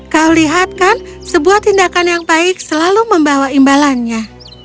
kau lihat kan sebuah tindakan yang baik selalu membawa imbalannya